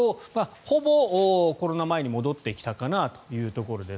ほぼコロナ前に戻ってきたかなというところです。